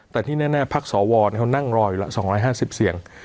แต่ที่แน่พักสวเขานั่งรออยู่ละ๒๕๐เสียง